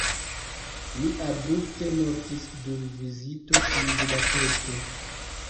Li abrupte mortis dum vizito en Budapeŝto.